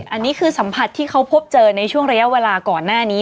อันนี้คือสัมผัสที่เขาพบเจอในช่วงระยะเวลาก่อนหน้านี้